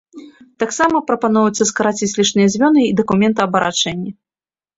Таксама прапаноўваецца скараціць лішнія звёны і дакументаабарачэнне.